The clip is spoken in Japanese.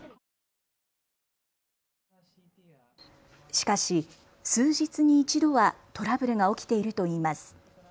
しかし数日に一度はトラブルが起きているといいます。